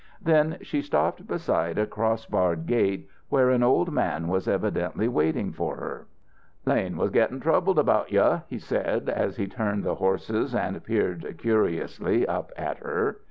Then she stopped beside a cross barred gate where an old man was evidently waiting for her. "Lane was gettin' troubled about yuh," he said, as he turned the horses and peered curiously up at her.